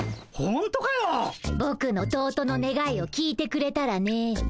ほんとかよ！？ぼくの弟のねがいを聞いてくれたらね。